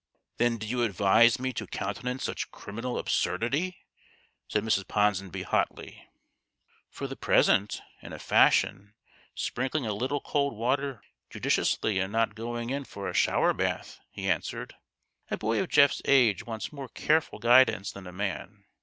" Then do you advise me to countenance such criminal absurdity ?" said Mrs. Ponsonby, hotly. " For the present, in a fashion, sprinkling a little cold water judiciously, and not going in for a shower bath," he answered. " A boy of THE GHOST OF THE PAST. 165 Geoff's age wants more careful guidance than a man.